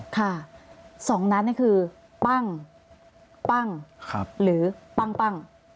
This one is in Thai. ค่ะ๒นัดนี่คือปั้งปั้งหรือปั้ง